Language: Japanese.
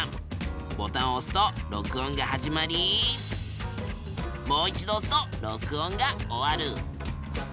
ボタンをおすと録音が始まりもう一度おすと録音が終わる。